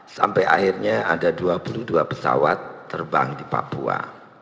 sampai akhirnya ada dua puluh dua pesawat terbang di papua